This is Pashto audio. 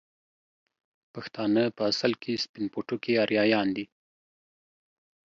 پښتانه په اصل کې سپين پوټکي اريايان دي